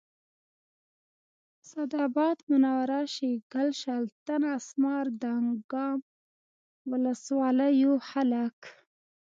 اسداباد منوره شیګل شلتن اسمار دانګام ولسوالیو خلک